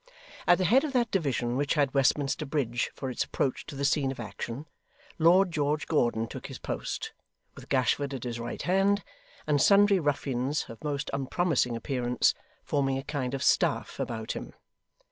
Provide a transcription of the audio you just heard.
At the head of that division which had Westminster Bridge for its approach to the scene of action, Lord George Gordon took his post; with Gashford at his right hand, and sundry ruffians, of most unpromising appearance, forming a kind of staff about him.